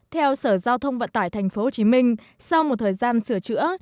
theo sở giao thông vận tải tp hcm sau một thời gian sửa chữa